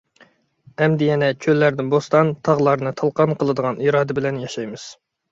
ئەمدى يەنە چۆللەرنى بوستان، تاغلارنى تالقان قىلىدىغان ئىرادە بىلەن ياشايمىز.